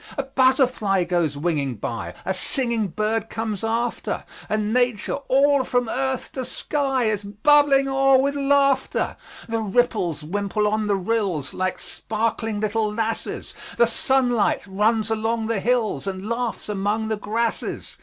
A butterfly goes winging by; A singing bird comes after; And Nature, all from earth to sky, Is bubbling o'er with laughter. The ripples wimple on the rills, Like sparkling little lasses; The sunlight runs along the hills, And laughs among the grasses.